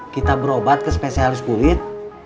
kita berobat ke spesialis kulit